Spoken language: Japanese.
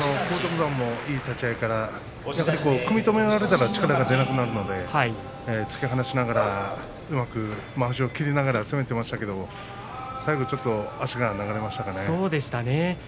荒篤山もいい立ち合いから組み止められたら力が出なくなるので突き放しながら、うまくまわしを切りながら攻めていましたけど最後ちょっと足が流れましたかね。